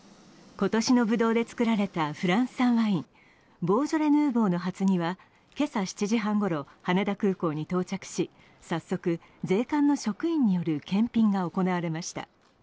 今年のぶどうで作られたフランス産ワイン、ボージョレ・ヌーボーの初荷は今朝７時半ごろ、羽田空港に到着し早速、税関の職員による検品が行われました。